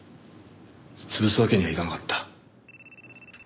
潰すわけにはいかなかった。